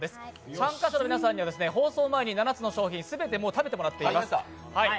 参加者の皆さんには放送前に７つの商品全て食べてもらっています。